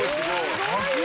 すごいよ！